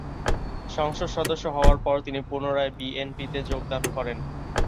সংসদ সদস্য হওয়ার পর তিনি পুনরায় বিএনপিতে যোগদান করেন।